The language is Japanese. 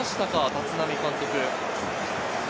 立浪監督。